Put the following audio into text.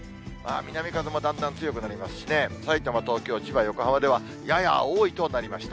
南風もだんだん強くなりますしね、さいたま、東京、千葉、横浜ではやや多いとなりました。